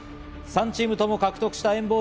３チームとも獲得した＆